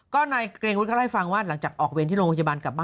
ก็นายเกรงวุฒิก็เล่าให้ฟังว่าหลังจากออกเวรที่โรงพยาบาลกลับบ้าน